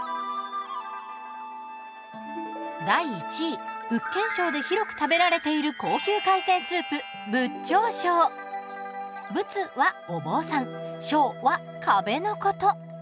第１位福建省で広く食べられている高級海鮮スープ仏はお坊さんは壁のこと。